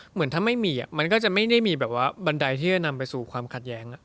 เหมือนถ้าไม่มีมันก็จะไม่ได้มีแบบว่าบันไดที่จะนำไปสู่ความขัดแย้ง